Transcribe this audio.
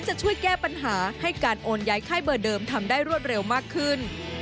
จะช่วยแก้ปัญหาให้การโอนย้ายค่ายเบอร์เดิมทำได้รวดเร็วมากขึ้น